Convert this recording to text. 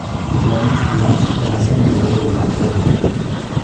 L'année suivante, elle enseigne à l'école élémentaire.